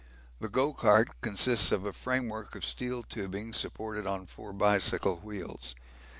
The 'go cart' consists of a framework of steel tubing supported on four bicycle wheels.